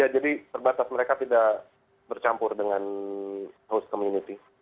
jadi terbatas mereka tidak bercampur dengan host community